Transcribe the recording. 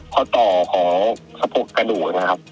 ข้อต่อของสะโพกกระดูก